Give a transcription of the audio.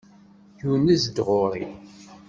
Yunez-d ɣur-i.